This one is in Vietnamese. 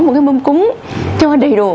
một cái mâm cúng cho đầy đổ